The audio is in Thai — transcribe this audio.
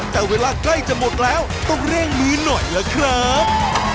แต่เวลาใกล้จะหมดแล้วต้องเร่งมือหน่อยล่ะครับ